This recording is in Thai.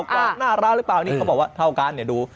กล้องหน้าร้านหรือเปล่านี่เขาบอกว่าเท่ากันเนี่ยดู